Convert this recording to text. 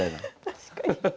確かに。